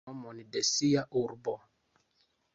La municipo ĉiam havas nomon de sia urbo.